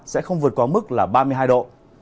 sẽ không vượt qua mức là ba mươi hai độ